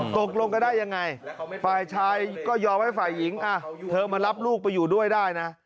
ตกลงกันได้ยังไงฝ่ายชายก็ยอมให้ฝ่ายหญิงเธอมารับลูกไปอยู่ด้วยได้นะ